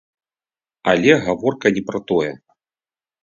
Але гаворка не пра тое.